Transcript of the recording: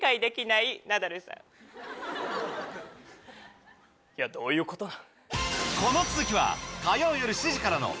いやどういうことなん？